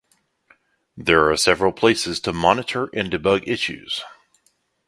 There are several places to monitor and debug issues